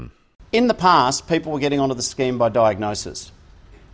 dalam masa lalu orang orang mendapatkan akses berdasarkan gangguan pada kehidupan sehari hari para peserta